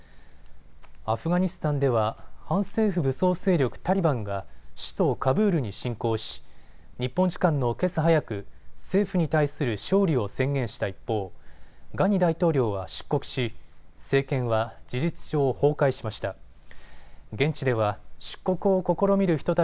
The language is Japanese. アフガニスタンでは反政府武装勢力タリバンが首都カブールに進攻し日本時間のけさ早く、政府に対する勝利を宣言した一方、ガニ大統領は出国し、政権は事実上、崩壊しました。